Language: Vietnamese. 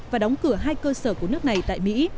và đóng cửa hai cơ sở của nước này tại mỹ